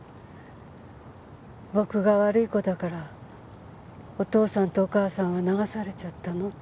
「僕が悪い子だからお父さんとお母さんは流されちゃったの？」